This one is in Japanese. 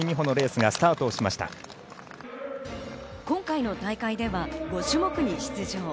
今回の大会では５種目に出場。